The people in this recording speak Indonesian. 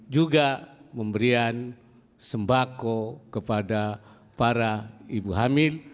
juga pemberian sembako kepada para ibu hamil